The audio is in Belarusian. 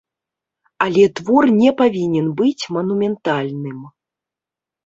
Але твор не павінен быць манументальным.